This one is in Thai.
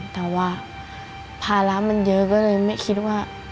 แต่ว่าภาระมันเยอะก็เลยไม่คิดว่า